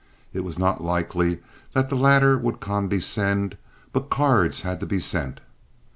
It was not likely that the latter would condescend, but cards had to be sent.